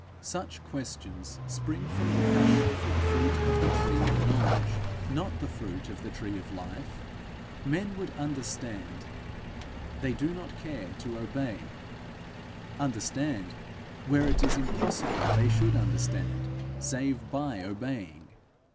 Such questions spring from the passion for the fruit of the tree of knowledge, not the fruit of the tree of life. Men would understand: they do not care to obey, understand where it is impossible they should understand save by obeying.